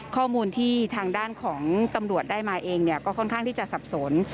ข้อมูลที่ทางด้านของตำรวจได้มาเองก็ค่อนข้างที่จะสับสน